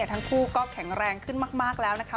ทั้งคู่ก็แข็งแรงขึ้นมากแล้วนะคะ